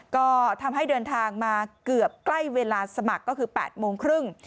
ก็ทำให้เดินทางมาเกือบใกล้เวลาสมัครก็คือ๘โมงครึ่ง